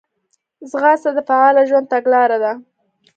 ځغاسته د فعاله ژوند تګلاره ده